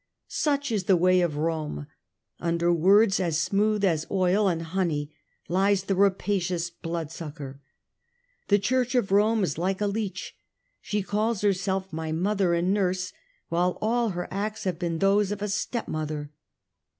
Such is the way of Rome ; under words as smooth as oil and honey lies the rapacious blood sucker : the Church of Rome is like a leech ; she calls herself my mother and nurse, while all her acts have been those of a stepmother.